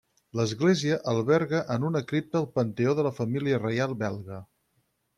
L'església alberga en una cripta el panteó de la família reial belga.